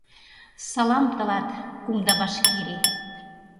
Салам тылат, кумда Башкирий!